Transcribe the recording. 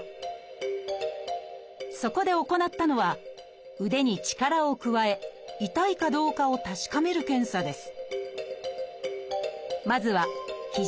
そこで行ったのは腕に力を加え痛いかどうかを確かめる検査です。